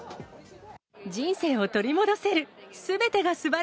人生を取り戻せる。